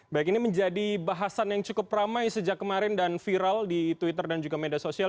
baik ini menjadi bahasan yang cukup ramai sejak kemarin dan viral di twitter dan juga media sosial